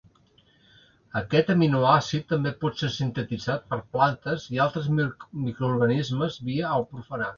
Aquest aminoàcid també pot ser sintetitzar per plantes i altres microorganismes via el profanat.